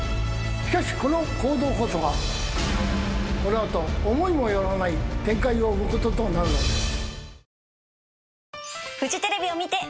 しかしこの行動こそがこの後思いも寄らない展開を生むこととなるのです。